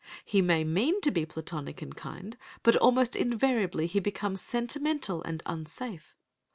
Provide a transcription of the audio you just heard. He may mean to be platonic and kind, but almost invariably he becomes sentimental and unsafe.